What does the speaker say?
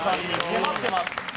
迫ってます。